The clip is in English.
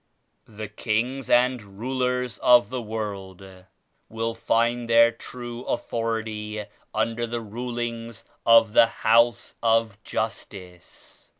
The kings and rulers of the world will find their true authority under the rulings of the House of Justice.